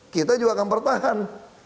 kita juga akan bertahan